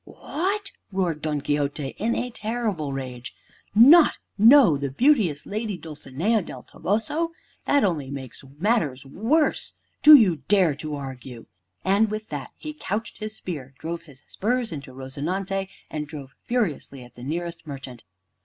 "What!" roared Don Quixote in a terrible rage, "not know the beauteous Lady Dulcinea del Toboso! That only makes matters worse. Do you dare to argue?" And with that he couched his spear, drove his spurs into "Rozinante," and rode furiously at the nearest merchant.